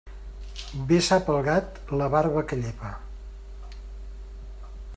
Bé sap el gat la barba que llepa.